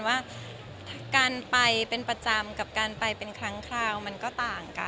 ว่าการไปเป็นประจำกับการไปเป็นครั้งคราวมันก็ต่างกัน